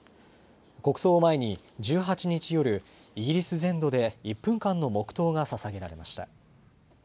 国葬を前に１８日夜、イギリス全土で１分間の黙とうがささげられました。